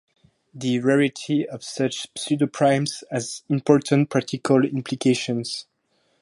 The rarity of such pseudoprimes has important practical implications.